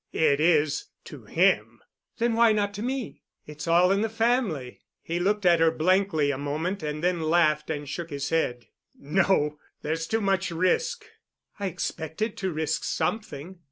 "It is—to him." "Then why not to me?—it's all in the family." He looked at her blankly a moment and then laughed and shook his head. "No—there's too much risk." "I expected to risk something."